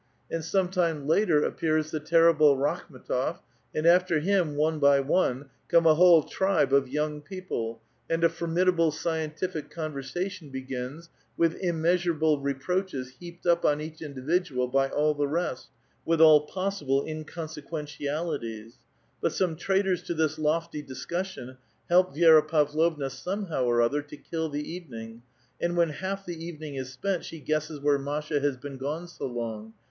And A VITAL QUESTION. 267 some time later appears the terrible Rakhm^tof, and after liin, one by oue, come a whole tribe of young people, and a x>rinidable scientific conversation begins with immeasurable "eproaehes heaped up on each individual by all the rest with dl possible inconsequential ities ; but some traitors to this ofty discussion help Vi^ra Pavlovna somehow or other to kill tie evening, and when half the evening is spent she guesses vhere Maslia has been gone so long.